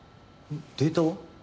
データは？